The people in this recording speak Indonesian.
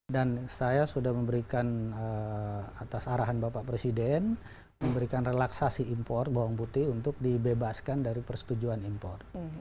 dan saya sudah memberikan atas arahan bapak presiden memberikan relaksasi impor bawang putih untuk dibebaskan dari persetujuan impor